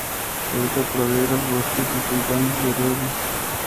Habita praderas, bosques y pantanos con abedules.